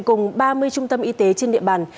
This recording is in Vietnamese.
cùng ba mươi trung tâm y tế trên địa bàn